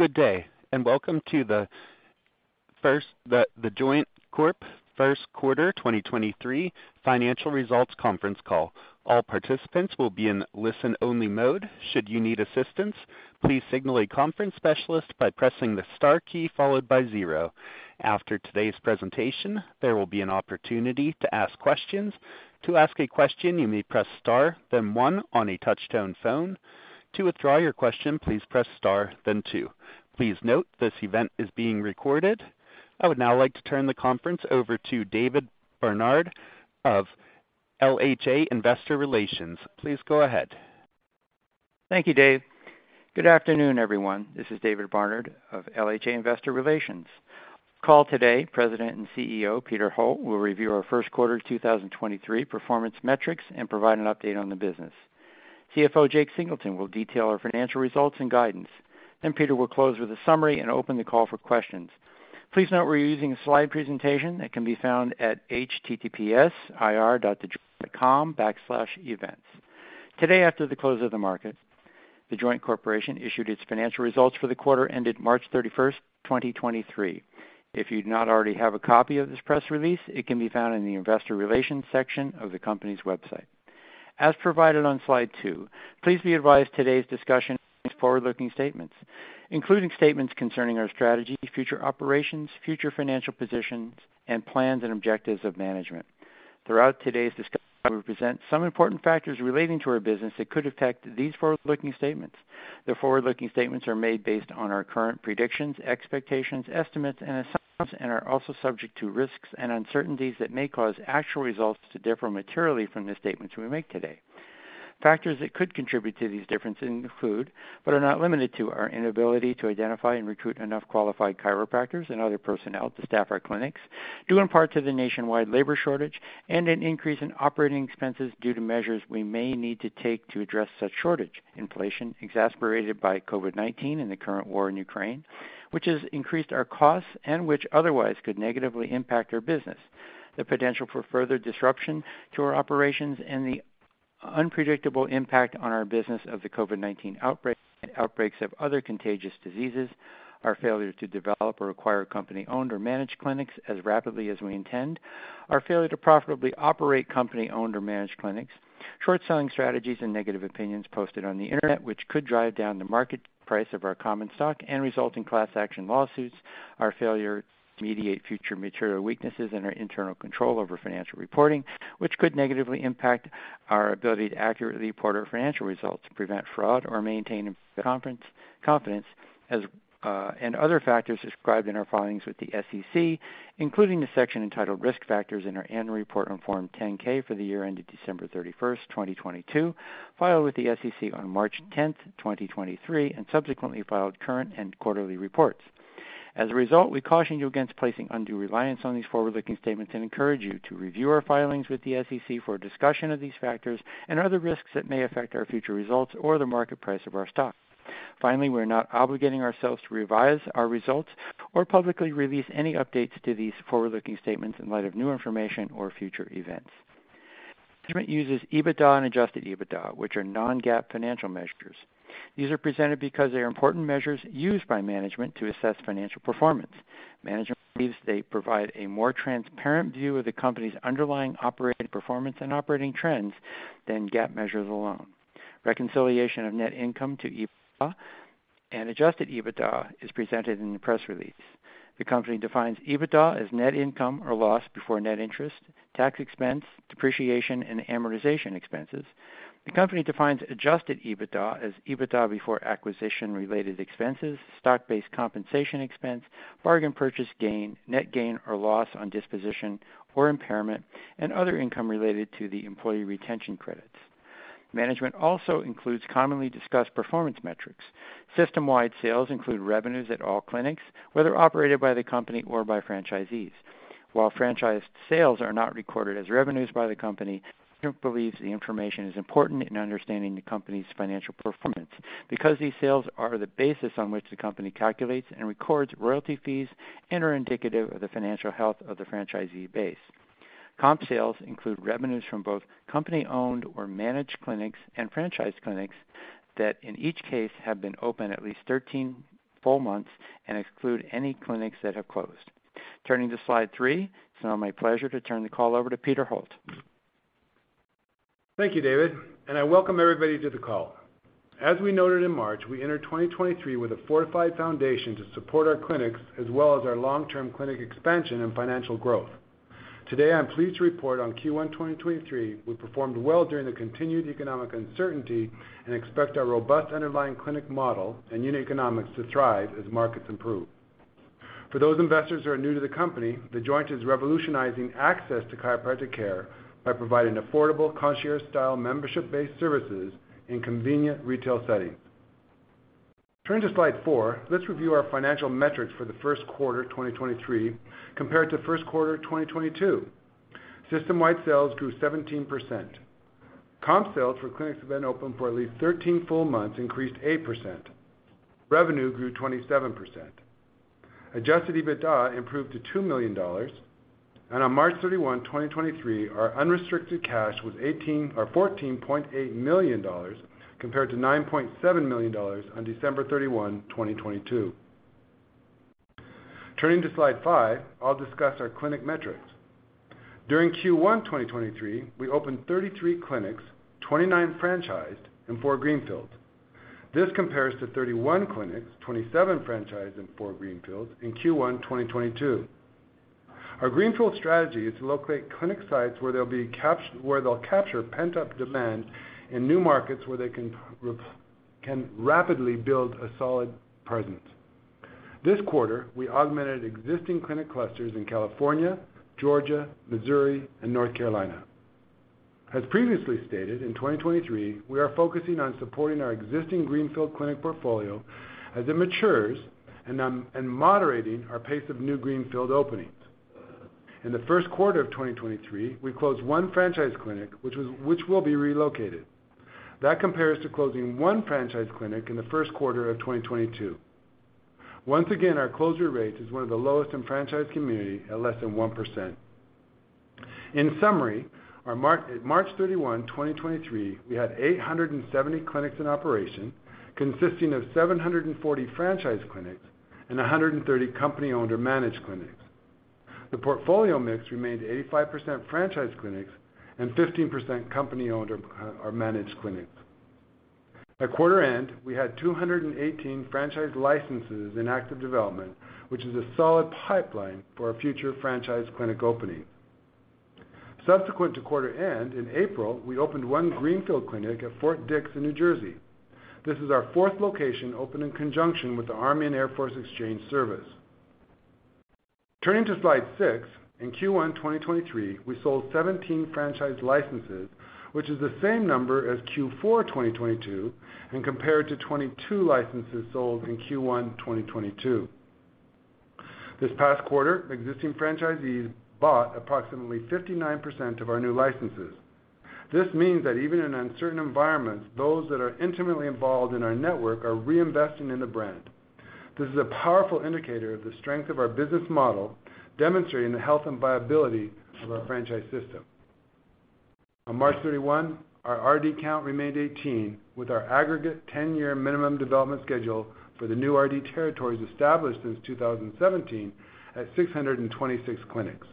Good day, and welcome to The Joint Corp Q1 2023 Financial Results Conference Call. All participants will be in listen-only mode. Should you need assistance, please signal a conference specialist by pressing the Star key followed by zero. After today's presentation, there will be an opportunity to ask questions. To ask a question, you may press Star, then one on a touch-tone phone. To withdraw your question, please press Star, then two. Please note this event is being recorded. I would now like to turn the conference over to David Barnard of LHA Investor Relations. Please go ahead. Thank you, Dave. Good afternoon, everyone. This is David Barnard of LHA Investor Relations. Call today, President and CEO, Peter Holt, will review our Q1 2023 performance metrics and provide an update on the business. CFO Jake Singleton will detail our financial results and guidance. Peter will close with a summary and open the call for questions. Please note we're using a slide presentation that can be found at https://ir.thejoint.com/events. Today, after the close of the market, The Joint Corporation issued its financial results for the quarter ended March thirty-first, 2023. If you do not already have a copy of this press release, it can be found in the investor relations section of the company's website. As provided on slide two, please be advised today's discussion includes forward-looking statements, including statements concerning our strategy, future operations, future financial positions, and plans and objectives of management. Throughout today's discussion, we present some important factors relating to our business that could affect these forward-looking statements. The forward-looking statements are made based on our current predictions, expectations, estimates, and assumptions and are also subject to risks and uncertainties that may cause actual results to differ materially from the statements we make today. Factors that could contribute to these differences include, but are not limited to, our inability to identify and recruit enough qualified chiropractors and other personnel to staff our clinics, due in part to the nationwide labor shortage and an increase in operating expenses due to measures we may need to take to address such shortage. Inflation, exacerbated by COVID-19 and the current war in Ukraine, which has increased our costs and which otherwise could negatively impact our business. The potential for further disruption to our operations and the unpredictable impact on our business of the COVID-19 outbreak and outbreaks of other contagious diseases. Our failure to develop or acquire company-owned or managed clinics as rapidly as we intend. Our failure to profitably operate company-owned or managed clinics. Short-selling strategies and negative opinions posted on the Internet, which could drive down the market price of our common stock and result in class action lawsuits. Our failure to mediate future material weaknesses in our internal control over financial reporting, which could negatively impact our ability to accurately report our financial results, prevent fraud, or maintain confidence as, and other factors described in our filings with the SEC, including the section entitled Risk Factors in our annual report on Form 10-K for the year ended December 31st, 2022, filed with the SEC on March 10th, 2023, and subsequently filed current and quarterly reports. As a result, we caution you against placing undue reliance on these forward-looking statements and encourage you to review our filings with the SEC for a discussion of these factors and other risks that may affect our future results or the market price of our stock. We're not obligating ourselves to revise our results or publicly release any updates to these forward-looking statements in light of new information or future events. Management uses EBITDA and Adjusted EBITDA, which are non-GAAP financial measures. These are presented because they are important measures used by management to assess financial performance. Management believes they provide a more transparent view of the company's underlying operating performance and operating trends than GAAP measures alone. Reconciliation of Net Income to EBITDA and Adjusted EBITDA is presented in the press release. The company defines EBITDA as Net Income or loss before Net Interest, tax expense, depreciation, and amortization expenses. The company defines Adjusted EBITDA as EBITDA before acquisition-related expenses, stock-based compensation expense, bargain purchase gain, net gain or loss on disposition or impairment, and other income related to the Employee Retention Credits. Management also includes commonly discussed performance metrics. System-wide sales include revenues at all clinics, whether operated by the company or by franchisees. While franchised sales are not recorded as revenues by the company, The Joint believes the information is important in understanding the company's financial performance. These sales are the basis on which the company calculates and records royalty fees and are indicative of the financial health of the franchisee base. Comp sales include revenues from both company-owned or managed clinics and franchised clinics that in each case have been open at least 13 full months and exclude any clinics that have closed. Turning to slide three. It's now my pleasure to turn the call over to Peter Holt. Thank you, David. I welcome everybody to the call. As we noted in March, we entered 2023 with a fortified foundation to support our clinics as well as our long-term clinic expansion and financial growth. Today, I'm pleased to report on Q1 2023, we performed well during the continued economic uncertainty and expect our robust underlying clinic model and unit economics to thrive as markets improve. For those investors who are new to the company, The Joint is revolutionizing access to chiropractic care by providing affordable, concierge-style, membership-based services in convenient retail settings. Turning to slide four, let's review our financial metrics for the Q1 2023, compared to Q1 2022. System-wide sales grew 17%. Comp sales for clinics have been open for at least 13 full months, increased 8%. Revenue grew 27%. Adjusted EBITDA improved to $2 million. On March 31, 2023, our unrestricted cash was or $14.8 million compared to $9.7 million on December 31, 2022. Turning to slide five, I'll discuss our clinic metrics. During Q1 2023, we opened 33 clinics, 29 franchised and four greenfields. This compares to 31 clinics, 27 franchised and four greenfields in Q1 2022. Our greenfield strategy is to locate clinic sites where they'll capture pent-up demand in new markets where they can rapidly build a solid presence. This quarter, we augmented existing clinic clusters in California, Georgia, Missouri, and North Carolina. As previously stated, in 2023, we are focusing on supporting our existing greenfield clinic portfolio as it matures and moderating our pace of new greenfield openings. In the Q1 of 2023, we closed one franchise clinic, which will be relocated. That compares to closing one franchise clinic in the Q1 of 2022. Once again, our closure rate is one of the lowest in franchise community at less than 1%. In summary, our March 31, 2023, we had 870 clinics in operation, consisting of 740 franchise clinics and 130 company-owned or managed clinics. The portfolio mix remained 85% franchise clinics and 15% company-owned or managed clinics. At quarter end, we had 218 franchise licenses in active development, which is a solid pipeline for our future franchise clinic openings. Subsequent to quarter end, in April, we opened one greenfield clinic at Fort Dix in New Jersey. This is our fourth location open in conjunction with the Army & Air Force Exchange Service. Turning to slide six, in Q1, 2023, we sold 17 franchise licenses, which is the same number as Q4, 2022, and compared to 22 licenses sold in Q1, 2022. This past quarter, existing franchisees bought approximately 59% of our new licenses. This means that even in uncertain environments, those that are intimately involved in our network are reinvesting in the brand. This is a powerful indicator of the strength of our business model, demonstrating the health and viability of our franchise system. On March thirty-one, our RD count remained 18, with our aggregate 10-year minimum development schedule for the new RD territories established since 2017 at 626 clinics.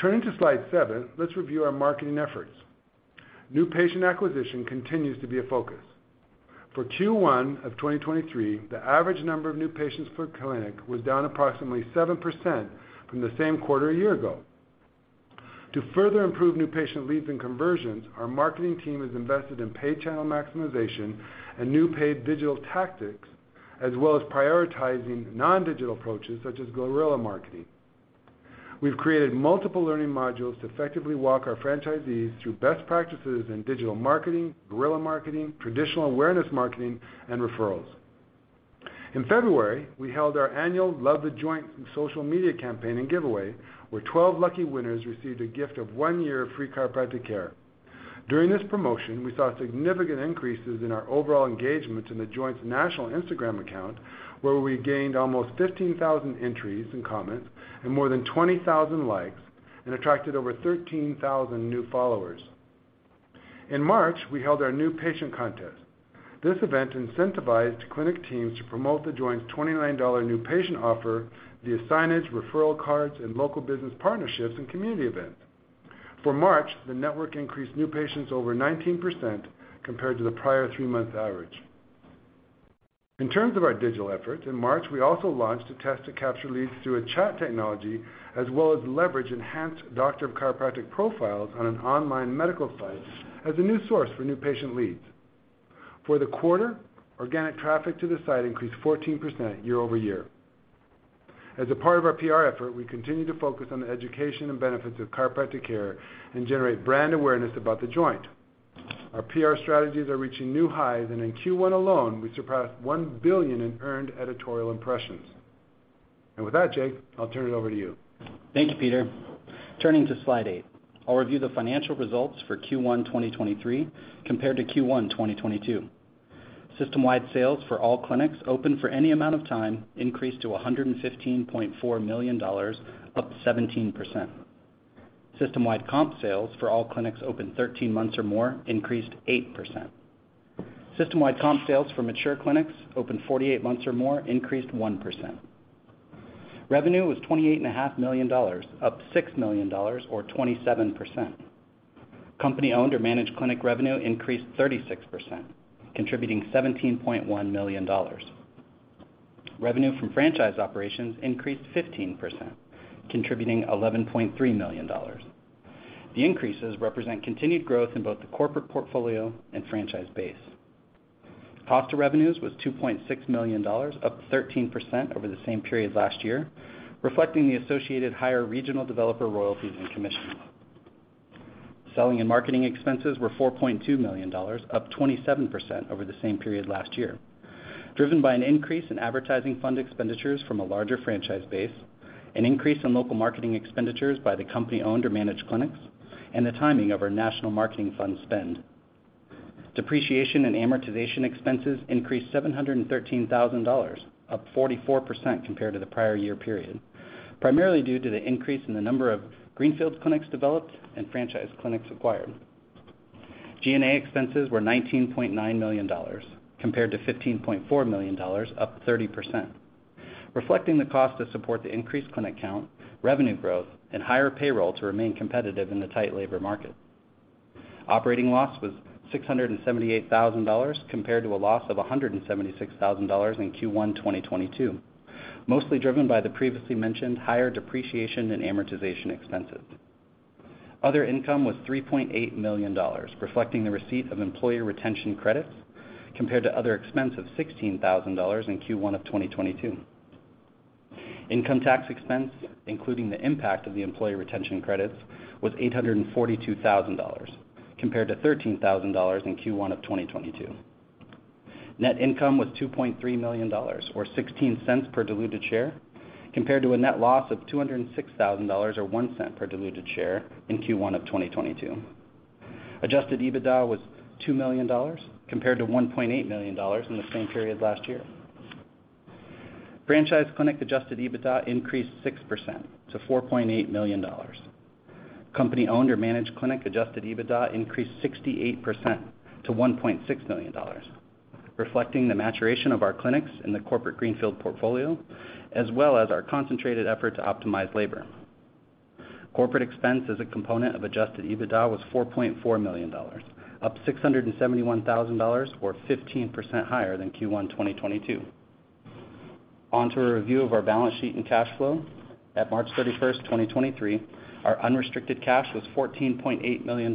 Turning to slide seven, let's review our marketing efforts. New patient acquisition continues to be a focus. For Q1 of 2023, the average number of new patients per clinic was down approximately 7% from the same quarter a year ago. To further improve new patient leads and conversions, our marketing team has invested in pay channel maximization and new paid digital tactics, as well as prioritizing non-digital approaches such as guerrilla marketing. We've created multiple learning modules to effectively walk our franchisees through best practices in digital marketing, guerrilla marketing, traditional awareness marketing, and referrals. In February, we held our annual Love the Joint social media campaign and giveaway, where 12 lucky winners received a gift of one year of free chiropractic care. During this promotion, we saw significant increases in our overall engagement in The Joint's national Instagram account, where we gained almost 15,000 entries and comments and more than 20,000 likes and attracted over 13,000 new followers. In March, we held our new patient contest. This event incentivized clinic teams to promote The Joint's $29 new patient offer via signage, referral cards, and local business partnerships and community events. For March, the network increased new patients over 19% compared to the prior three-month average. In terms of our digital efforts, in March, we also launched a test to capture leads through a chat technology as well as leverage enhanced doctor of chiropractic profiles on an online medical site as a new source for new patient leads. For the quarter, organic traffic to the site increased 14% year-over-year. As a part of our PR effort, we continue to focus on the education and benefits of chiropractic care and generate brand awareness about The Joint. Our PR strategies are reaching new highs, and in Q1 alone, we surpassed $1 billion in earned editorial impressions. With that, Jake, I'll turn it over to you. Thank you, Peter. Turning to slide eight, I'll review the financial results for Q1 2023, compared to Q1 2022. System-wide sales for all clinics open for any amount of time increased to $115.4 million, up 17%. System-wide comp sales for all clinics open 13 months or more increased 8%. System-wide comp sales for mature clinics open 48 months or more increased 1%. Revenue was twenty-eight and a half million dollars, up $6 million or 27%. Company-owned or managed clinic revenue increased 36%, contributing $17.1 million. Revenue from franchise operations increased 15%, contributing $11.3 million. The increases represent continued growth in both the corporate portfolio and franchise base. Cost to revenues was $2.6 million, up 13% over the same period last year, reflecting the associated higher regional developer royalties and commissions. Selling and marketing expenses were $4.2 million, up 27% over the same period last year, driven by an increase in advertising fund expenditures from a larger franchise base, an increase in local marketing expenditures by the company-owned or managed clinics, and the timing of our national marketing fund spend. Depreciation and amortization expenses increased $713,000, up 44% compared to the prior year period, primarily due to the increase in the number of greenfield clinics developed and franchise clinics acquired. G&A expenses were $19.9 million compared to $15.4 million, up 30%, reflecting the cost to support the increased clinic count, revenue growth and higher payroll to remain competitive in the tight labor market. Operating loss was $678,000, compared to a loss of $176,000 in Q1 2022, mostly driven by the previously mentioned higher depreciation and amortization expenses. Other income was $3.8 million, reflecting the receipt of Employee Retention Credits compared to other expense of $16,000 in Q1 of 2022. Income tax expense, including the impact of the Employee Retention Credits, was $842,000, compared to $13,000 in Q1 of 2022. Net income was $2.3 million or $0.16 per diluted share, compared to a net loss of $206,000 or $0.01 per diluted share in Q1 of 2022. Adjusted EBITDA was $2 million, compared to $1.8 million in the same period last year. Franchise clinic Adjusted EBITDA increased 6% to $4.8 million. Company owned or managed clinic Adjusted EBITDA increased 68% to $1.6 million, reflecting the maturation of our clinics in the corporate greenfield portfolio, as well as our concentrated effort to optimize labor. Corporate expense as a component of Adjusted EBITDA was $4.4 million, up $671,000 or 15% higher than Q1 2022. On to a review of our balance sheet and cash flow. At March 31, 2023, our unrestricted cash was $14.8 million,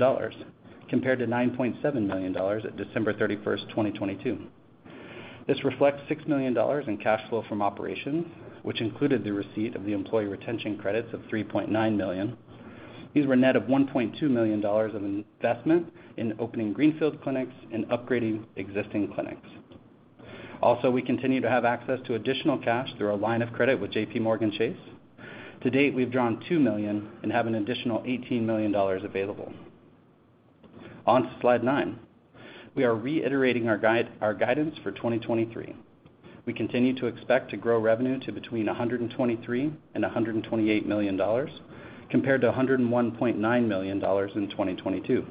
compared to $9.7 million at December 31, 2022. This reflects $6 million in cash flow from operations, which included the receipt of the Employee Retention Credits of $3.9 million. These were net of $1.2 million of investment in opening greenfield clinics and upgrading existing clinics. We continue to have access to additional cash through our line of credit with JPMorgan Chase. To date, we've drawn $2 million and have an additional $18 million available. On to slide nine. We are reiterating our guidance for 2023. We continue to expect to grow revenue to between $123 million and $128 million, compared to $101.9 million in 2022.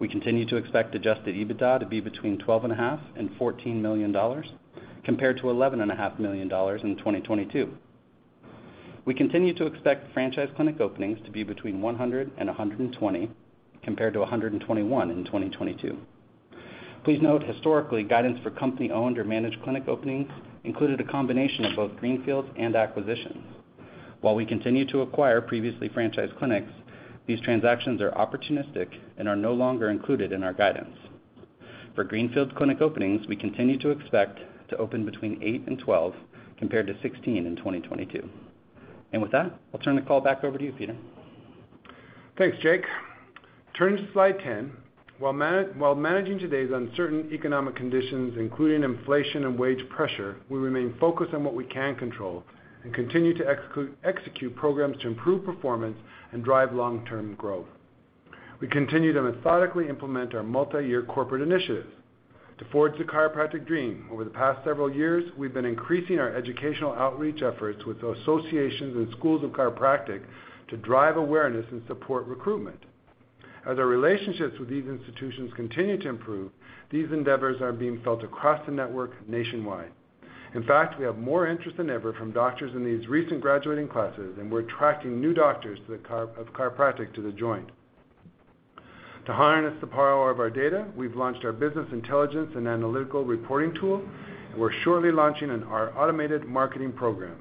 We continue to expect Adjusted EBITDA to be between $12.5 million and $14 million, compared to $11.5 million in 2022. We continue to expect franchise clinic openings to be between 100 and 120, compared to 121 in 2022. Please note, historically, guidance for company owned or managed clinic openings included a combination of both greenfields and acquisitions. While we continue to acquire previously franchised clinics, these transactions are opportunistic and are no longer included in our guidance. For greenfield clinic openings, we continue to expect to open between eight and 12, compared to 16 in 2022. With that, I'll turn the call back over to you, Peter. Thanks, Jake. Turning to slide 10. While managing today's uncertain economic conditions, including inflation and wage pressure, we remain focused on what we can control and continue to execute programs to improve performance and drive long-term growth. We continue to methodically implement our multi-year corporate initiatives. To forge the chiropractic dream, over the past several years, we've been increasing our educational outreach efforts with associations and schools of chiropractic to drive awareness and support recruitment. As our relationships with these institutions continue to improve, these endeavors are being felt across the network nationwide. In fact, we have more interest than ever from doctors in these recent graduating classes, and we're attracting new doctors to the of chiropractic to The Joint. To harness the power of our data, we've launched our business intelligence and analytical reporting tool, and we're shortly launching our automated marketing program.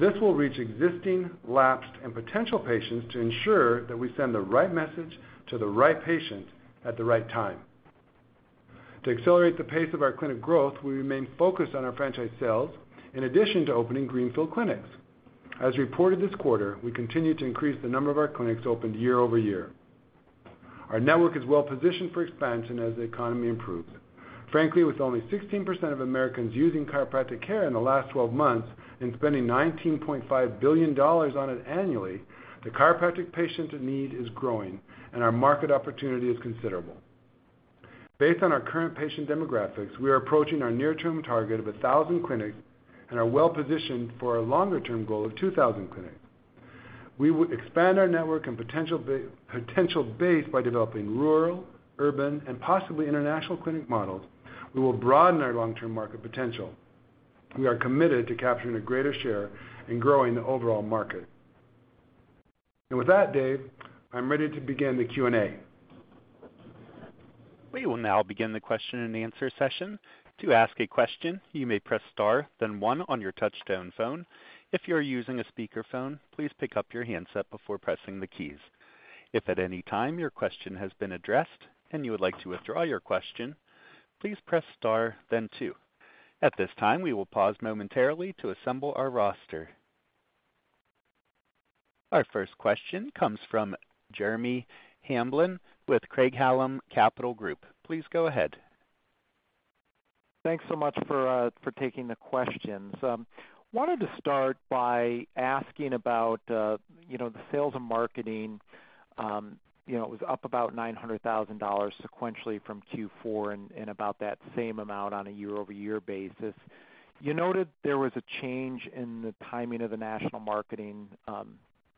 This will reach existing, lapsed and potential patients to ensure that we send the right message to the right patient at the right time. To accelerate the pace of our clinic growth, we remain focused on our franchise sales in addition to opening greenfield clinics. As reported this quarter, we continue to increase the number of our clinics opened year-over-year. Our network is well positioned for expansion as the economy improves. Frankly, with only 16% of Americans using chiropractic care in the last 12 months and spending $19.5 billion on it annually, the chiropractic patient need is growing, and our market opportunity is considerable. Based on our current patient demographics, we are approaching our near-term target of 1,000 clinics and are well positioned for our longer-term goal of 2,000 clinics. We will expand our network and potential base by developing rural, urban and possibly international clinic models. We will broaden our long-term market potential. We are committed to capturing a greater share in growing the overall market. With that, Dave, I'm ready to begin the Q&A. We will now begin the question and answer session. To ask a question, you may press star then one on your touchtone phone. If you are using a speakerphone, please pick up your handset before pressing the keys. If at any time your question has been addressed and you would like to withdraw your question, please press star then two. At this time, we will pause momentarily to assemble our roster. Our first question comes from Jeremy Hamblin with Craig-Hallum Capital Group. Please go ahead. Thanks so much for taking the questions. Wanted to start by asking about, you know, the sales and marketing. You know, it was up about $900,000 sequentially from Q4 and about that same amount on a year-over-year basis. You noted there was a change in the timing of the national marketing,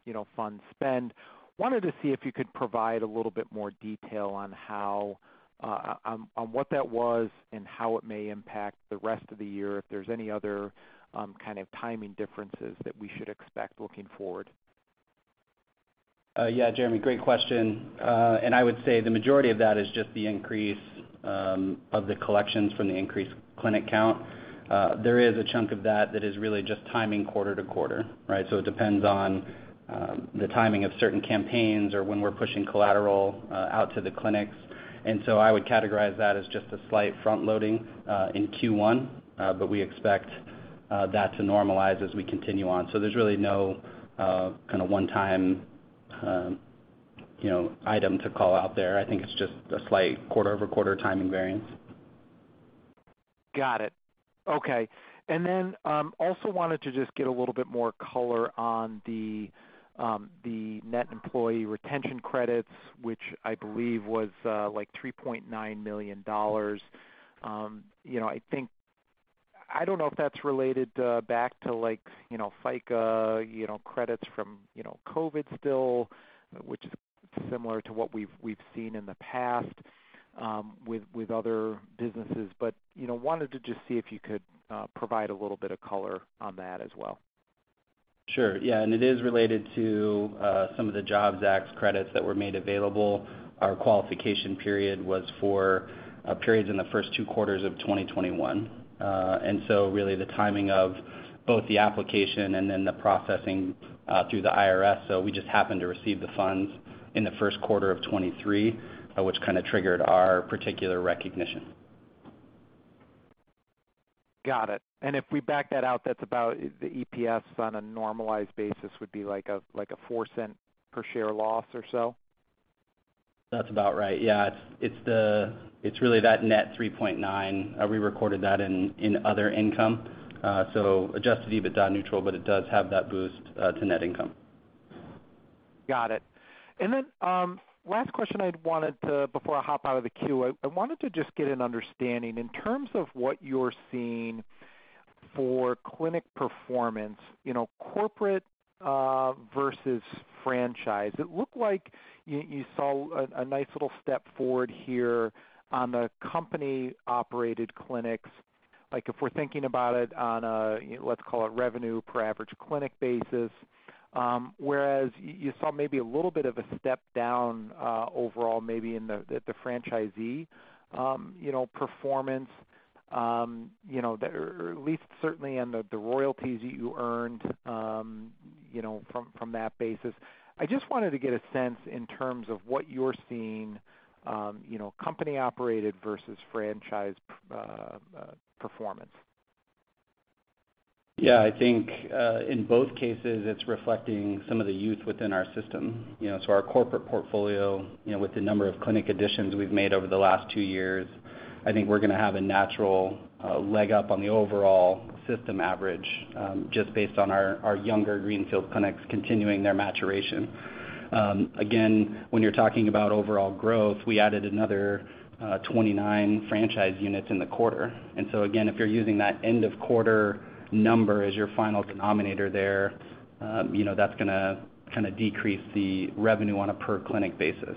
you know, fund spend. Wanted to see if you could provide a little bit more detail on how on what that was and how it may impact the rest of the year, if there's any other kind of timing differences that we should expect looking forward. Yeah, Jeremy, great question. I would say the majority of that is just the increase of the collections from the increased clinic count. There is a chunk of that that is really just timing quarter-to-quarter, right? It depends on the timing of certain campaigns or when we're pushing collateral out to the clinics. I would categorize that as just a slight front-loading in Q1, but we expect that to normalize as we continue on. There's really no kind of one-time, you know, item to call out there. I think it's just a slight quarter-over-quarter timing variance. Got it. Okay. Also wanted to just get a little bit more color on the net Employee Retention Credit, which I believe was like $3.9 million. You know, I don't know if that's related back to like, you know, FICA, you know, credits from, you know, COVID still, which is similar to what we've seen in the past with other businesses. You know, wanted to just see if you could provide a little bit of color on that as well. Sure. Yeah. It is related to some of the Jobs Act credits that were made available. Our qualification period was for periods in the first Q2 of 2021. Really the timing of both the application and then the processing through the IRS. We just happened to receive the funds in the Q1 of 2023, which kind of triggered our particular recognition. Got it. If we back that out, that's about the EPS on a normalized basis would be like a $0.04 per share loss or so? That's about right. Yeah. It's really that net $3.9. We recorded that in other income. Adjusted EBITDA neutral, but it does have that boost to Net ncome. Got it. Last question I'd wanted to, before I hop out of the queue, I wanted to just get an understanding in terms of what you're seeing for clinic performance, you know, corporate versus franchise. It looked like you saw a nice little step forward here on the company-operated clinics, like if we're thinking about it on a, let's call it revenue per average clinic basis, whereas you saw maybe a little bit of a step down overall, maybe in the franchisee, you know, performance, you know, or at least certainly on the royalties you earned, you know, from that basis. I just wanted to get a sense in terms of what you're seeing, you know, company-operated versus franchise performance. I think, in both cases, it's reflecting some of the youth within our system. You know, our corporate portfolio, you know, with the number of clinic additions we've made over the last two years, I think we're gonna have a natural leg up on the overall system average, just based on our younger greenfield clinics continuing their maturation. Again, when you're talking about overall growth, we added another 29 franchise units in the quarter. Again, if you're using that end of quarter number as your final denominator there, you know, that's gonna kinda decrease the revenue on a per clinic basis.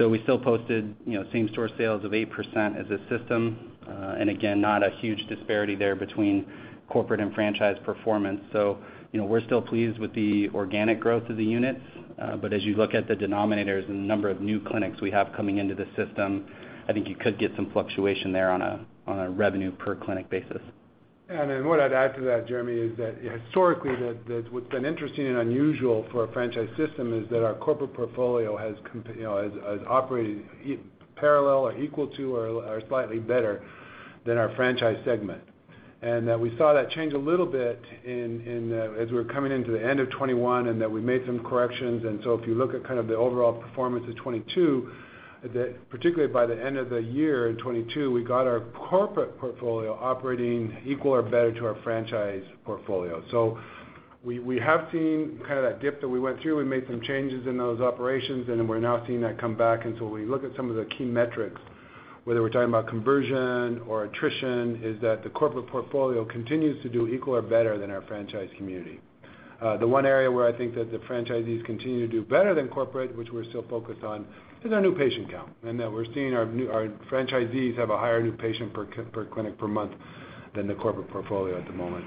We still posted, you know, same-store sales of 8% as a system, and again, not a huge disparity there between corporate and franchise performance. You know, we're still pleased with the organic growth of the units. As you look at the denominators and the number of new clinics we have coming into the system, I think you could get some fluctuation there on a revenue per clinic basis. what I'd add to that, Jeremy, is that historically, what's been interesting and unusual for a franchise system is that our corporate portfolio has operated parallel or equal to or slightly better than our franchise segment. We saw that change a little bit in as we were coming into the end of 2021. We made some corrections. If you look at kind of the overall performance of 2022, particularly by the end of the year in 2022, we got our corporate portfolio operating equal or better to our franchise portfolio. We have seen kind of that dip that we went through. We made some changes in those operations. We're now seeing that come back. When you look at some of the key metrics, whether we're talking about conversion or attrition, is that the corporate portfolio continues to do equal or better than our franchise community. The one area where I think that the franchisees continue to do better than corporate, which we're still focused on, is our new patient count, and that we're seeing our franchisees have a higher new patient per clinic per month than the corporate portfolio at the moment.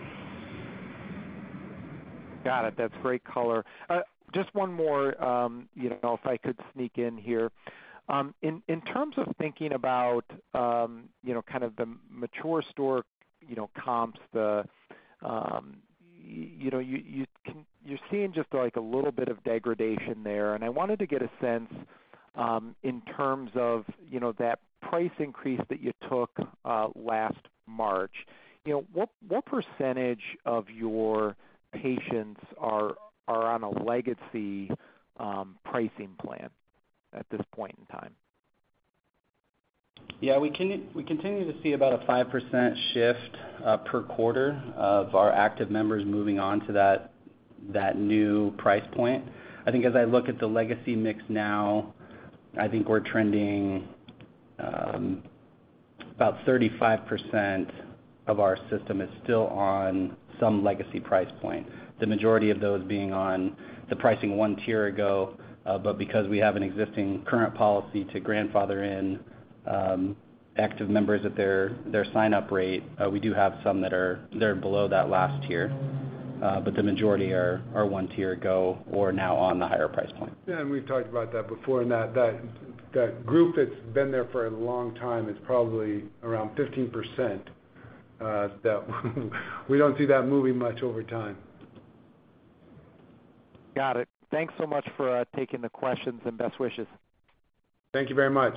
Got it. That's great color. Just one more, you know, if I could sneak in here. In terms of thinking about, you know, kind of the mature store, you know, comps, the, you're seeing just like a little bit of degradation there, and I wanted to get a sense in terms of, you know, that price increase that you took last March. You know, what % of your patients are on a legacy pricing plan? At this point in time. Yeah, we continue to see about a 5% shift per quarter of our active members moving on to that new price point. I think as I look at the legacy mix now, I think we're trending about 35% of our system is still on some legacy price point. The majority of those being on the pricing one tier ago, because we have an existing current policy to grandfather in active members at their sign-up rate, we do have some that are below that last tier. The majority are one tier ago or now on the higher price point. Yeah, we've talked about that before, and that group that's been there for a long time is probably around 15%, that we don't see that moving much over time. Got it. Thanks so much for taking the questions, and best wishes. Thank you very much.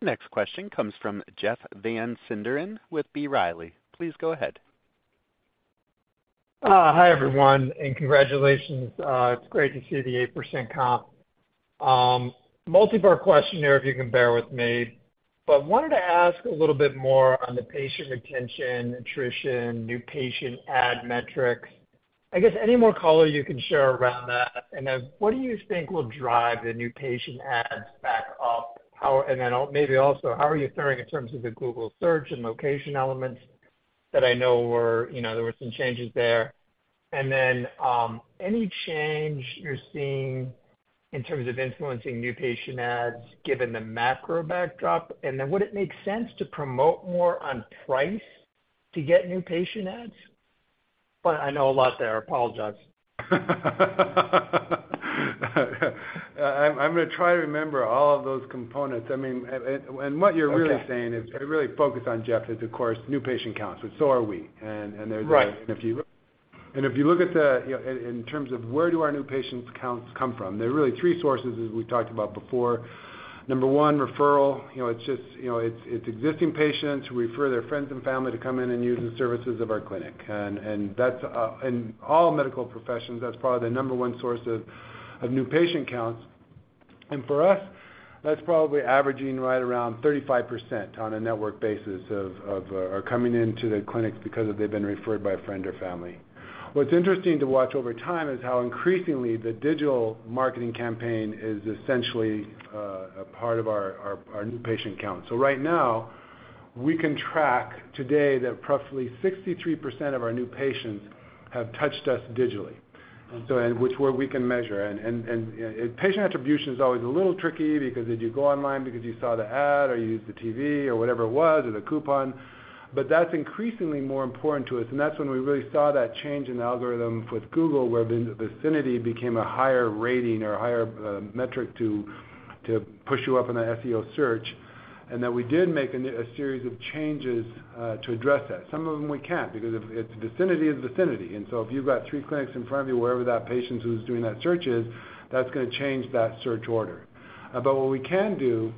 Next question comes from Jeff Van Sinderen with B. Riley. Please go ahead. Hi, everyone, and congratulations. It's great to see the 8% comp. Multi-part question here, if you can bear with me. Wanted to ask a little bit more on the patient retention, attrition, new patient ad metrics. I guess, any more color you can share around that. What do you think will drive the new patient ads back up? Maybe also, how are you faring in terms of the Google Search and location elements that I know were, you know, there were some changes there. Any change you're seeing in terms of influencing new patient ads given the macro backdrop? Would it make sense to promote more on price to get new patient ads? I know a lot there. I apologize. I'm gonna try to remember all of those components. I mean, and what you're really saying is. Okay. You're really focused on, Jeff, is of course, new patient counts, and so are we. Right. If you look at the, you know, in terms of where do our new patients' counts come from, there are really three sources as we talked about before. Number one, referral. You know, it's just, you know, it's existing patients who refer their friends and family to come in and use the services of our clinic. That's in all medical professions, that's probably the number one source of new patient counts. For us, that's probably averaging right around 35% on a network basis of, are coming into the clinics because they've been referred by a friend or family. What's interesting to watch over time is how increasingly the digital marketing campaign is essentially a part of our new patient count. Right now, we can track today that roughly 63% of our new patients have touched us digitally. Okay. Which, where we can measure. Patient attribution is always a little tricky because did you go online because you saw the ad or you used the TV or whatever it was, or the coupon. That's increasingly more important to us, and that's when we really saw that change in algorithm with Google, where the vicinity became a higher rating or higher metric to push you up in a SEO search. That we did make a series of changes to address that. Some of them we can't, because if it's vicinity, it's vicinity. If you've got three clinics in front of you, wherever that patient who's doing that search is, that's gonna change that search order. What we can do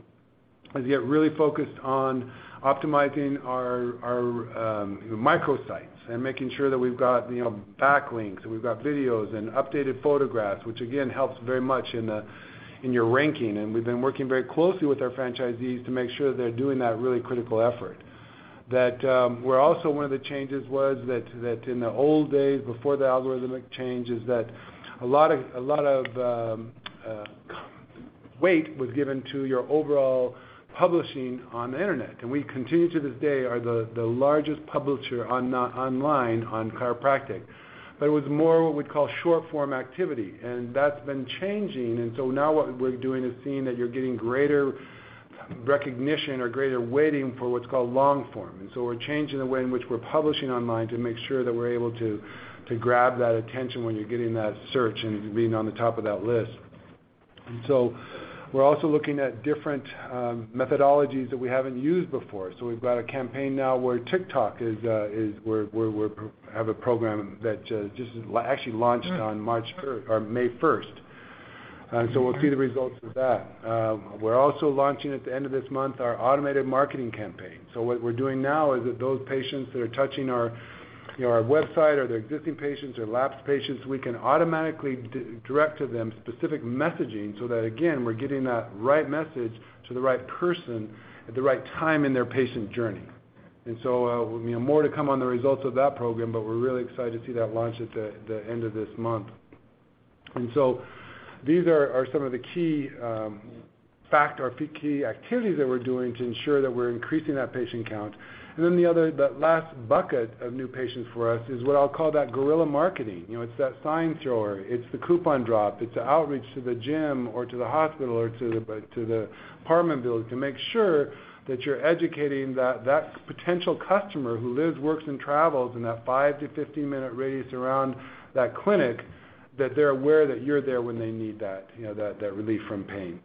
is get really focused on optimizing our, you know, microsites and making sure that we've got, you know, backlinks and we've got videos and updated photographs, which again, helps very much in the, in your ranking. We've been working very closely with our franchisees to make sure they're doing that really critical effort. That, where also one of the changes was that in the old days before the algorithmic change, is that a lot of weight was given to your overall publishing on the internet. We continue to this day are the largest publisher on online on chiropractic. It was more what we call short-form activity, and that's been changing. Now what we're doing is seeing that you're getting greater recognition or greater waiting for what's called long-form. We're changing the way in which we're publishing online to make sure that we're able to grab that attention when you're getting that search and being on the top of that list. We're also looking at different methodologies that we haven't used before. We've got a campaign now where TikTok is where we have a program that actually launched on May 1st. We'll see the results of that. We're also launching at the end of this month our automated marketing campaign. What we're doing now is that those patients that are touching our, you know, our website or they're existing patients or lapsed patients, we can automatically direct to them specific messaging so that, again, we're getting that right message to the right person at the right time in their patient journey. You know, more to come on the results of that program, but we're really excited to see that launch at the end of this month. These are some of the key fact or key activities that we're doing to ensure that we're increasing that patient count. The other, that last bucket of new patients for us is what I'll call that guerrilla marketing. You know, it's that sign thrower, it's the coupon drop, it's the outreach to the gym or to the hospital or to the apartment building to make sure that you're educating that potential customer who lives, works, and travels in that 5-15 minute radius around that clinic, that they're aware that you're there when they need that, you know, that relief from pain.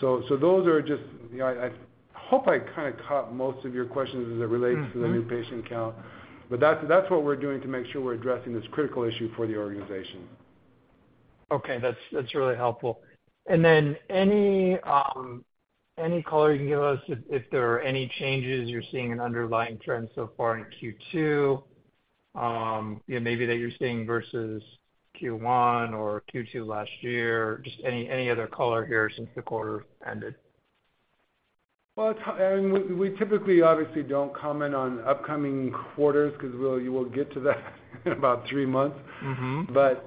Those are just, you know, I hope I kinda caught most of your questions as it relates to the new patient count. That's what we're doing to make sure we're addressing this critical issue for the organization. Okay, that's really helpful. Then any color you can give us if there are any changes you're seeing in underlying trends so far in Q2? Yeah, maybe that you're seeing versus Q1 or Q2 last year. Just any other color here since the quarter ended. We typically obviously don't comment on upcoming quarters 'cause you will get to that in about three months. Right...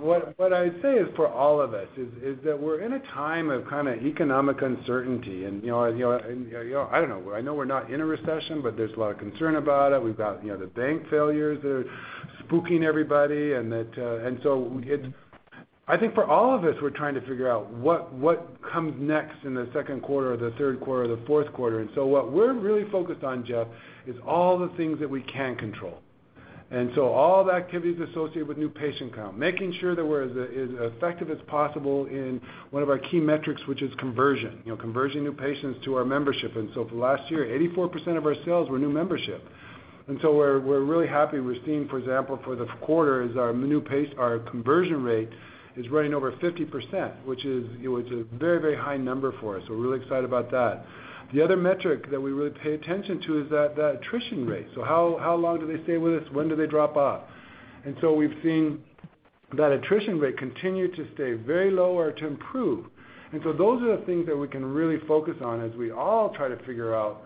what I'd say is for all of us is that we're in a time of kind of economic uncertainty. You know, I don't know, I know we're not in a recession, but there's a lot of concern about it. We've got, you know, the bank failures that are spooking everybody and that. I think for all of us, we're trying to figure out what comes next in the Q2 or the Q3 or the Q4. What we're really focused on, Jeff, is all the things that we can control. All the activities associated with new patient count, making sure that we're as effective as possible in one of our key metrics, which is conversion. You know, converting new patients to our membership. For the last year, 84% of our sales were new membership. We're really happy. We're seeing, for example, for the quarter is our new pace, our conversion rate is running over 50%, which is, you know, which is a very, very high number for us. We're really excited about that. The other metric that we really pay attention to is that, the attrition rate. How long do they stay with us? When do they drop off? We've seen that attrition rate continue to stay very low or to improve. Those are the things that we can really focus on as we all try to figure out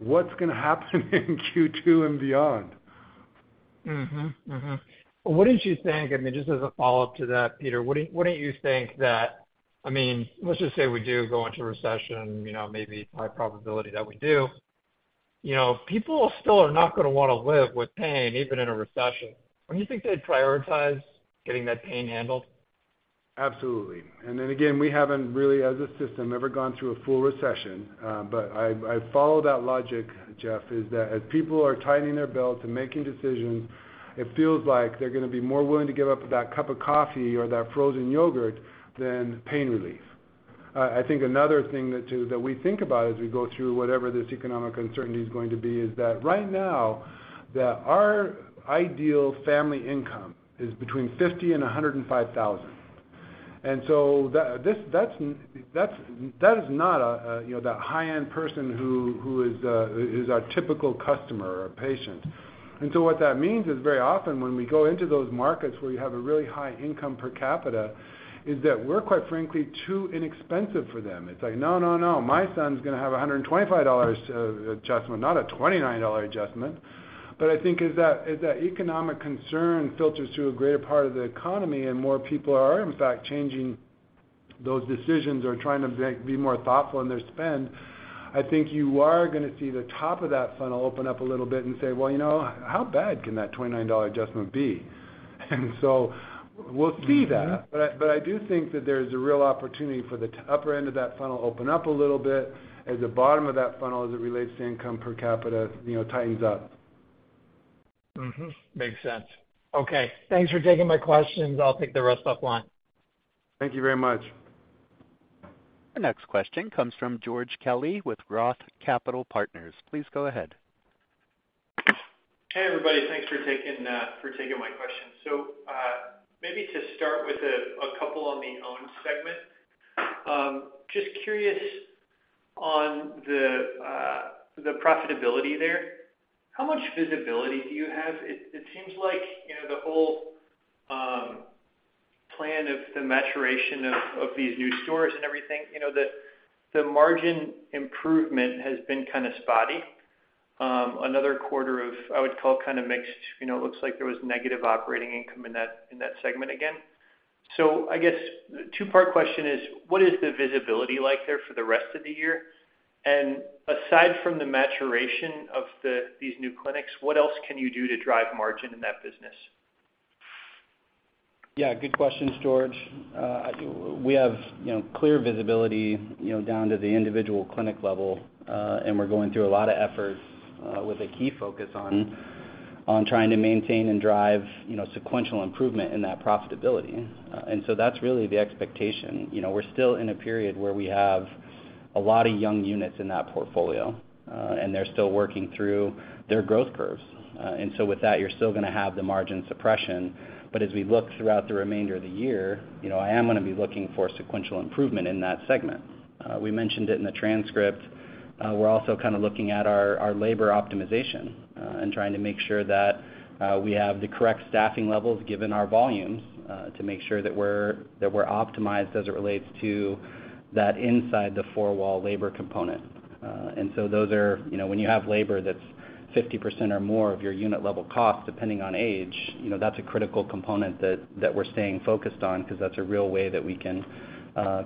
what's gonna happen in Q2 and beyond. What don't you think, I mean, just as a follow-up to that, Peter, what don't you think that, I mean, let's just say we do go into recession, you know, maybe high probability that we do. You know, people still are not gonna wanna live with pain even in a recession. Don't you think they'd prioritize getting that pain handled? Absolutely. Then again, we haven't really, as a system, ever gone through a full recession. I follow that logic, Jeff, is that as people are tightening their belts and making decisions, it feels like they're gonna be more willing to give up that cup of coffee or that frozen yogurt than pain relief. I think another thing that too, that we think about as we go through whatever this economic uncertainty is going to be, is that right now, that our ideal family income is between $50,000 and $105,000. That's, that is not a, you know, that high-end person who is our typical customer or patient. What that means is very often when we go into those markets where you have a really high income per capita, is that we're quite frankly too inexpensive for them. It's like, "No, no. My son's gonna have a $125 to adjustment, not a $29 adjustment." I think as that, as that economic concern filters through a greater part of the economy and more people are in fact changing those decisions or trying to be more thoughtful in their spend, I think you are gonna see the top of that funnel open up a little bit and say, "Well, you know, how bad can that $29 adjustment be?" We'll see that. I do think that there's a real opportunity for the upper end of that funnel open up a little bit as the bottom of that funnel as it relates to income per capita, you know, tightens up. Makes sense. Okay, thanks for taking my questions. I'll take the rest offline. Thank you very much. The next question comes from George Kelly with Roth Capital Partners. Please go ahead. Hey, everybody. Thanks for taking for taking my question. Maybe to start with a couple on the owned segment. Just curious on the profitability there. How much visibility do you have? It seems like, you know, the whole plan of the maturation of these new stores and everything, you know, the margin improvement has been kinda spotty. Another quarter of, I would call kind of mixed. You know, it looks like there was negative operating income in that segment again. I guess two-part question is: What is the visibility like there for the rest of the year? Aside from the maturation of these new clinics, what else can you do to drive margin in that business? Yeah, good questions, George. We have, you know, clear visibility, you know, down to the individual clinic level, and we're going through a lot of efforts, with a key focus on trying to maintain and drive, you know, sequential improvement in that profitability. That's really the expectation. You know, we're still in a period where we have a lot of young units in that portfolio, and they're still working through their growth curves. With that, you're still gonna have the margin suppression. As we look throughout the remainder of the year, you know, I am gonna be looking for sequential improvement in that segment. We mentioned it in the transcript. We're also kinda looking at our labor optimization and trying to make sure that we have the correct staffing levels given our volumes to make sure that we're, that we're optimized as it relates to that inside the four-wall labor component. You know, when you have labor that's 50% or more of your unit level cost, depending on age, you know, that's a critical component that we're staying focused on because that's a real way that we can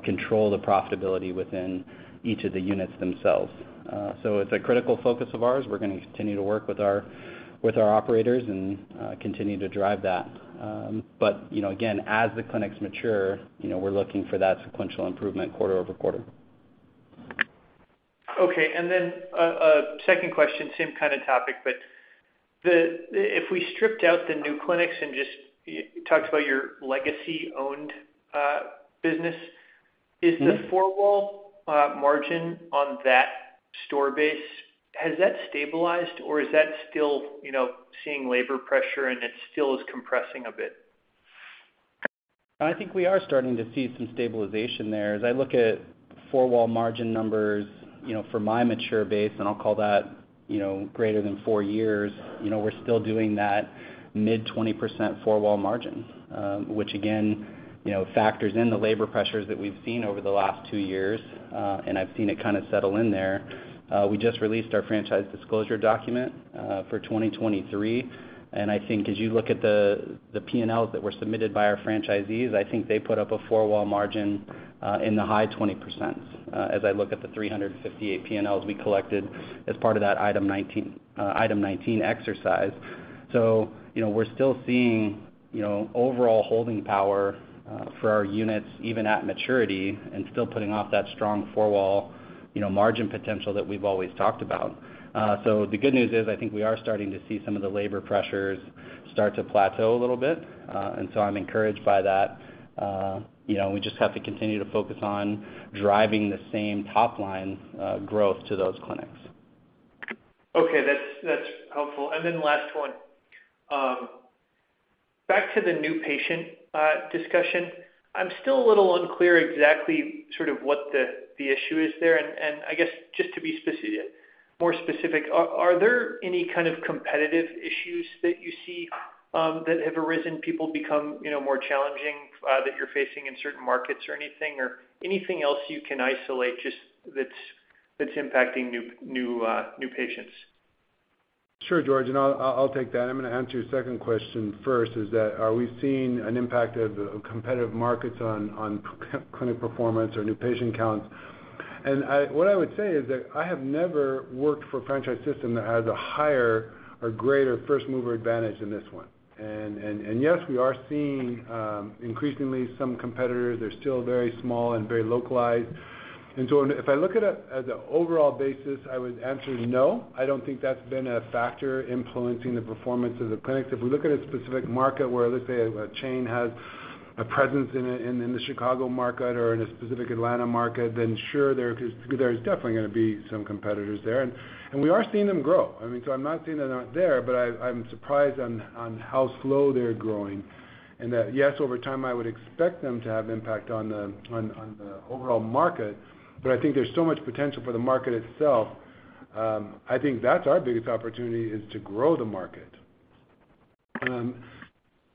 control the profitability within each of the units themselves. It's a critical focus of ours. We're gonna continue to work with our operators and continue to drive that. You know, again, as the clinics mature, you know, we're looking for that sequential improvement quarter-over-quarter. Okay. A second question, same kind of topic. If we stripped out the new clinics and just talked about your legacy-owned business.... is the four-wall, margin on that store base, has that stabilized or is that still, you know, seeing labor pressure and it still is compressing a bit? I think we are starting to see some stabilization there. As I look at four wall margin numbers, you know, for my mature base, and I'll call that, you know, greater than four years, you know, we're still doing that mid 20% four wall margin, which again, you know, factors in the labor pressures that we've seen over the last two years, and I've seen it kind of settle in there. We just released our Franchise Disclosure Document for 2023. I think as you look at the PNLs that were submitted by our franchisees, I think they put up a four wall margin in the high 20%, as I look at the 358 PNLs we collected as part of that Item 19 exercise. You know, we're still seeing, you know, overall holding power for our units, even at maturity, and still putting off that strong four wall, you know, margin potential that we've always talked about. The good news is, I think we are starting to see some of the labor pressures start to plateau a little bit. I'm encouraged by that. You know, we just have to continue to focus on driving the same top line growth to those clinics. Okay, that's helpful. Last one. Back to the new patient discussion. I'm still a little unclear exactly sort of what the issue is there. I guess just to be more specific, are there any kind of competitive issues that you see that have arisen, people become, you know, more challenging that you're facing in certain markets or anything? Anything else you can isolate just that's impacting new patients? Sure, George, I'll take that. I'm gonna answer your second question first, is that are we seeing an impact of competitive markets on clinic performance or new patient counts? What I would say is that I have never worked for a franchise system that has a higher or greater first mover advantage than this one. Yes, we are seeing increasingly some competitors. They're still very small and very localized. If I look at it as an overall basis, I would answer no, I don't think that's been a factor influencing the performance of the clinics. If we look at a specific market where, let's say a chain has a presence in the Chicago market or in a specific Atlanta market, sure, there's definitely gonna be some competitors there. We are seeing them grow. I mean, so I'm not saying they're not there, but I'm surprised on how slow they're growing. That, yes, over time, I would expect them to have impact on the overall market. I think there's so much potential for the market itself. I think that's our biggest opportunity is to grow the market.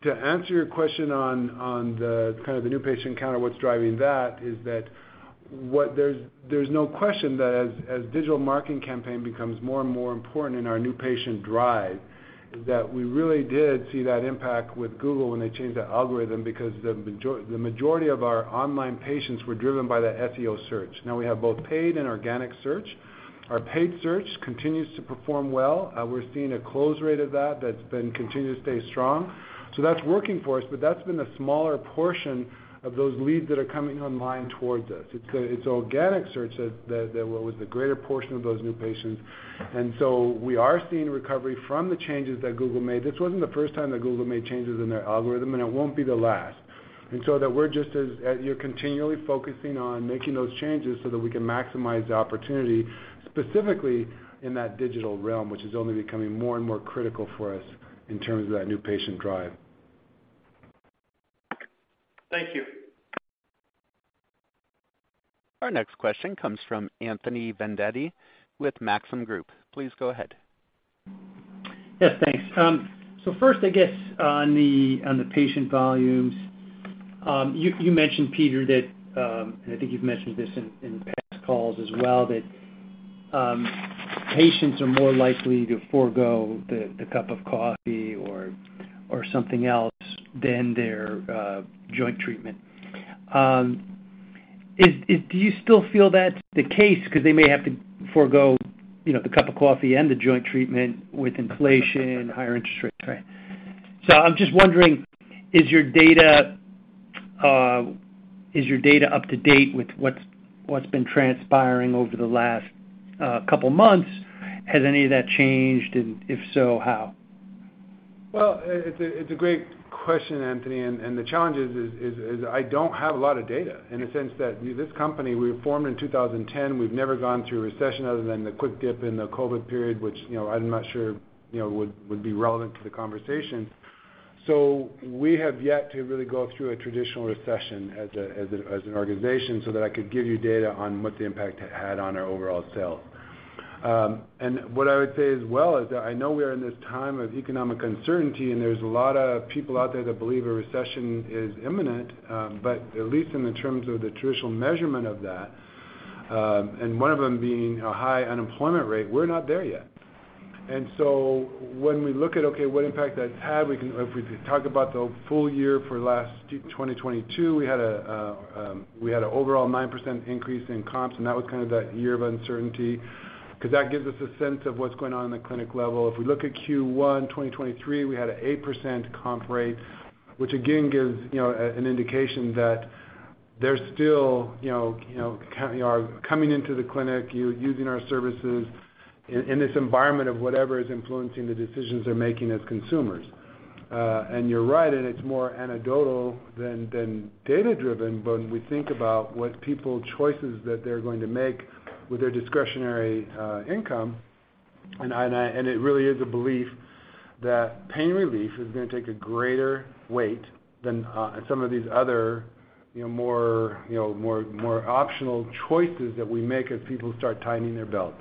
To answer your question on the kind of the new patient count and what's driving that is that there's no question that as digital marketing campaign becomes more and more important in our new patient drive, is that we really did see that impact with Google when they changed that algorithm because the majority of our online patients were driven by that SEO search. Now we have both paid and organic search. Our paid search continues to perform well. We're seeing a close rate of that's been continuing to stay strong. So that's working for us, but that's been a smaller portion of those leads that are coming online towards us. It's organic search that was the greater portion of those new patients. We are seeing recovery from the changes that Google made. This wasn't the first time that Google made changes in their algorithm, and it won't be the last. that we're just as you're continually focusing on making those changes so that we can maximize the opportunity specifically in that digital realm, which is only becoming more and more critical for us in terms of that new patient drive. Thank you. Our next question comes from Anthony Vendetti with Maxim Group. Please go ahead. Yes, thanks. First, I guess on the patient volumes, you mentioned Peter that, and I think you've mentioned this in past calls as well, that patients are more likely to forego the cup of coffee or something else than their joint treatment. Do you still feel that's the case 'cause they may have to forego, you know, the cup of coffee and the joint treatment with inflation, higher interest rates, right? I'm just wondering, is your data up to date with what's been transpiring over the last couple months? Has any of that changed? If so, how? It's a great question, Anthony, and the challenge is I don't have a lot of data in the sense that this company we formed in 2010, we've never gone through a recession other than the quick dip in the COVID period, which, you know, I'm not sure, you know, would be relevant to the conversation. We have yet to really go through a traditional recession as an organization so that I could give you data on what the impact had on our overall sales. What I would say as well is that I know we're in this time of economic uncertainty, and there's a lot of people out there that believe a recession is imminent, but at least in the terms of the traditional measurement of that, and one of them being a high unemployment rate, we're not there yet. When we look at, okay, what impact that's had, if we talk about the full year for last 2022, we had an overall 9% increase in comps, and that was kind of that year of uncertainty 'cause that gives us a sense of what's going on in the clinic level. If we look at Q1 2023, we had an 8% comp rate, which again gives, you know, an indication that they're still, you know, coming into the clinic, using our services in this environment of whatever is influencing the decisions they're making as consumers. You're right, and it's more anecdotal than data-driven when we think about what people choices that they're going to make with their discretionary income. It really is a belief that pain relief is gonna take a greater weight than some of these other, you know, more, you know, more optional choices that we make as people start tightening their belt.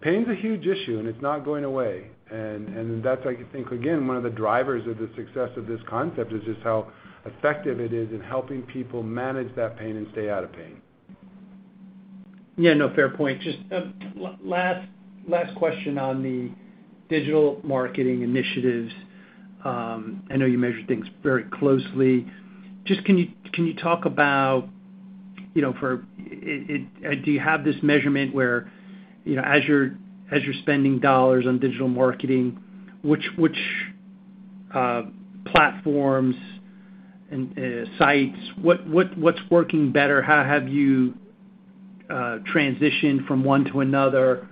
Pain's a huge issue, and it's not going away. That's, I think, again, one of the drivers of the success of this concept, is just how effective it is in helping people manage that pain and stay out of pain. No, fair point. Just, last question on the digital marketing initiatives. I know you measure things very closely. Just, can you talk about, you know? Do you have this measurement where, you know, as you're spending dollars on digital marketing, which platforms and sites, what's working better? How have you transitioned from one to another?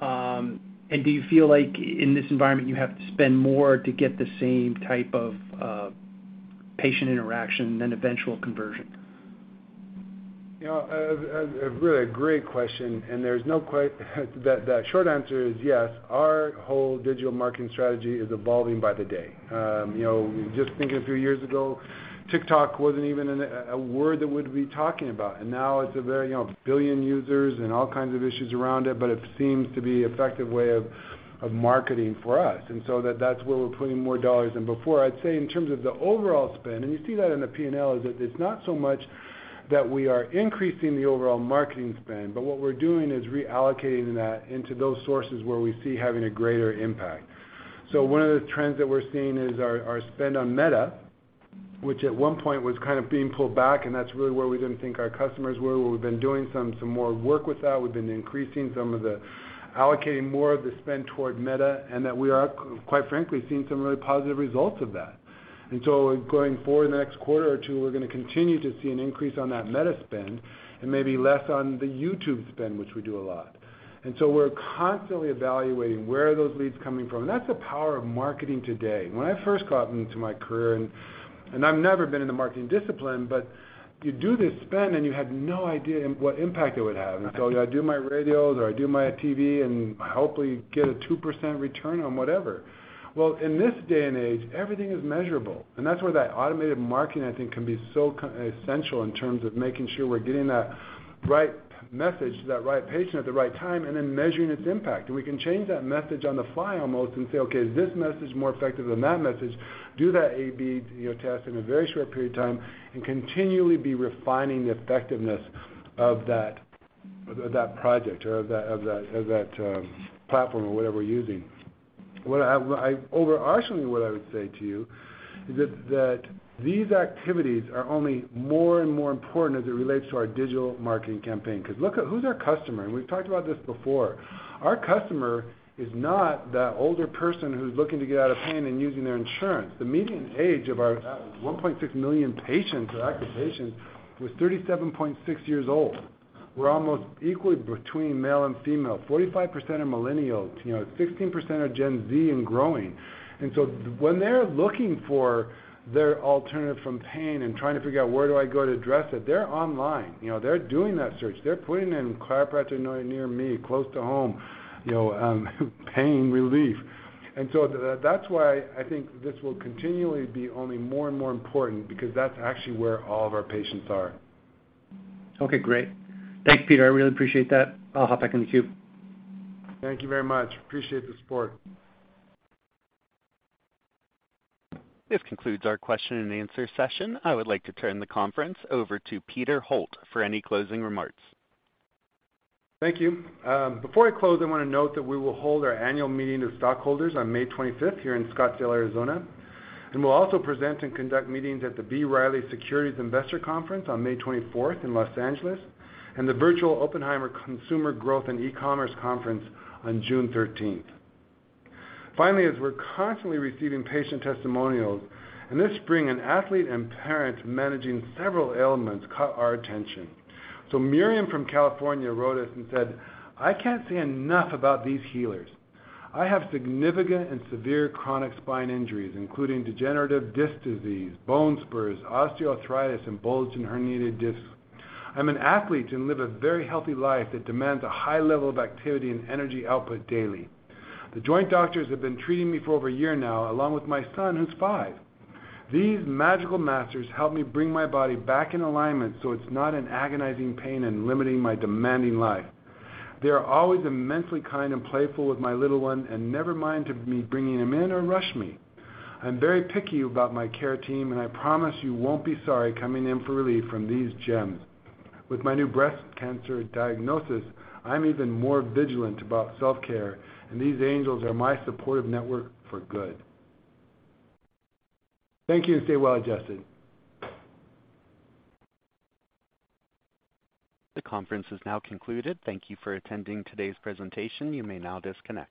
Do you feel like in this environment, you have to spend more to get the same type of patient interaction than eventual conversion? You know, a really great question. The short answer is yes. Our whole digital marketing strategy is evolving by the day. You know, just think a few years ago, TikTok wasn't even a word that we'd be talking about. Now it's a very, you know, $1 billion users and all kinds of issues around it. It seems to be effective way of marketing for us. That's where we're putting more dollars in. Before, I'd say in terms of the overall spend, you see that in the P&L, is that it's not so much that we are increasing the overall marketing spend. What we're doing is reallocating that into those sources where we see having a greater impact. One of the trends that we're seeing is our spend on Meta, which at one point was kind of being pulled back. That's really where we didn't think our customers were. We've been doing some more work with that. We've been increasing some of the allocating more of the spend toward Meta. That we are, quite frankly, seeing some really positive results of that. Going forward the next quarter or two, we're gonna continue to see an increase on that Meta spend and maybe less on the YouTube spend, which we do a lot. We're constantly evaluating where are those leads coming from. That's the power of marketing today. When I first got into my career, and I've never been in the marketing discipline, but you do this spend, and you have no idea what impact it would have. I do my radios or I do my TV and hopefully get a 2% return on whatever. Well, in this day and age, everything is measurable. That's where that automated marketing, I think, can be so essential in terms of making sure we're getting that right message to that right patient at the right time and then measuring its impact. We can change that message on the fly almost and say, "Okay, is this message more effective than that message?" Do that AB, you know, test in a very short period of time and continually be refining the effectiveness of that project or of that platform or whatever we're using. Overarchingly, what I would say to you is that these activities are only more and more important as it relates to our digital marketing campaign. 'Cause look at who's our customer, and we've talked about this before. Our customer is not that older person who's looking to get out of pain and using their insurance. The median age of our 1.6 million patients or active patients was 37.6 years old. We're almost equally between male and female. 45% are millennials. You know, 16% are Gen Z and growing. When they're looking for their alternative from pain and trying to figure out, "Where do I go to address it?" They're online. You know, they're doing that search. They're putting in "chiropractor near me," "close to home," you know, "pain relief." That's why I think this will continually be only more and more important because that's actually where all of our patients are. Okay, great. Thanks, Peter. I really appreciate that. I'll hop back in the queue. Thank you very much. Appreciate the support. This concludes our question and answer session. I would like to turn the conference over to Peter Holt for any closing remarks. Thank you. Before I close, I wanna note that we will hold our annual meeting of stockholders on May 25th here in Scottsdale, Arizona. We'll also present and conduct meetings at the B. Riley Securities Investor Conference on May 24th in Los Angeles, and the virtual Oppenheimer Consumer Growth and E-Commerce Conference on June 13th. Finally, as we're constantly receiving patient testimonials, in this spring, an athlete and parent managing several ailments caught our attention. Miriam from California wrote us and said, "I can't say enough about these healers. I have significant and severe chronic spine injuries, including degenerative disc disease, bone spurs, osteoarthritis, and bulging herniated discs. I'm an athlete and live a very healthy life that demands a high level of activity and energy output daily. The Joint doctors have been treating me for over a year now, along with my son who's five. These magical masters help me bring my body back in alignment so it's not in agonizing pain and limiting my demanding life. They are always immensely kind and playful with my little one and never mind of me bringing him in or rush me. I'm very picky about my care team, and I promise you won't be sorry coming in for relief from these gems. With my new breast cancer diagnosis, I'm even more vigilant about self-care, and these angels are my supportive network for good." Thank you, and stay well adjusted. The conference is now concluded. Thank you for attending today's presentation. You may now disconnect.